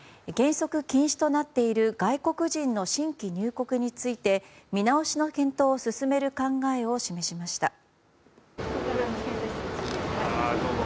原則禁止となっている外国人の新規入国について見直しの検討を進める考えを示しました。